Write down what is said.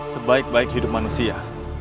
sebaik baik hidup manusia